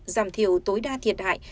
giảm thiểu tối đa thiệt hại